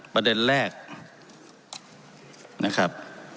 ประเด็นแรกนะครับ